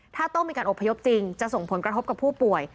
ถ้าต้องมีการอบพยพจริงจะส่งผลกระทบกับผู้ป่วย